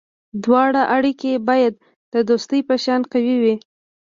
د واده اړیکه باید د دوستی په شان قوي وي.